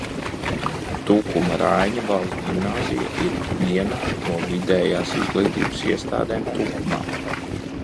Tukuma Raiņa Valsts ģimnāzija ir viena no vidējās izglītības iestādēm Tukumā.